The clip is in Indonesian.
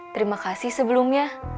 terima kasih sebelumnya